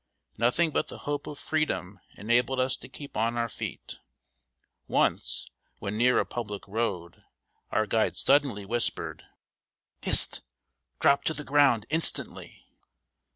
Nothing but the hope of freedom enabled us to keep on our feet. Once, when near a public road, our guide suddenly whispered. "Hist! Drop to the ground instantly!"